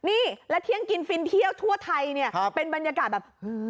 นี่แล้วเที่ยงกินฟินเที่ยวทั่วไทยเนี่ยเป็นบรรยากาศแบบ